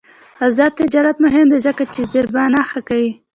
آزاد تجارت مهم دی ځکه چې زیربنا ښه کوي.